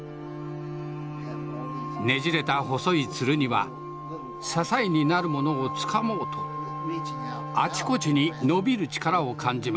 ねじれた細いツルには支えになるものをつかもうとあちこちに伸びる力を感じます。